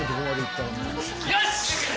よし。